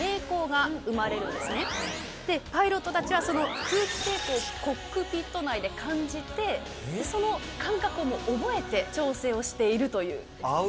パイロットたちはその空気抵抗をコックピット内で感じてその感覚を覚えて調整をしているという。